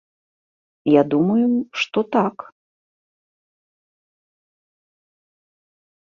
Я думаю, што так.